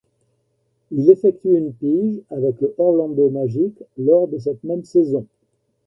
Il effectue une pige avec le Orlando Magic lors de cette même saison.